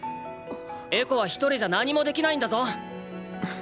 エコは一人じゃ何もできないんだぞ！